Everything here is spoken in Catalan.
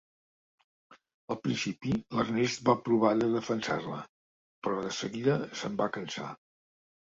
Al principi l'Ernest va provar de defensar-la, però de seguida se'n va cansar.